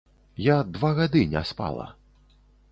Я два гады не спала.